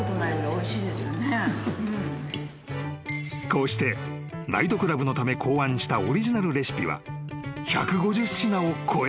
［こうしてナイトクラブのため考案したオリジナルレシピは１５０品を超えた］